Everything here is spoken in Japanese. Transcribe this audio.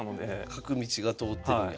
角道が通ってるんや。